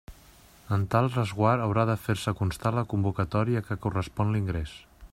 En tal resguard haurà de fer-se constar la convocatòria a què correspon l'ingrés.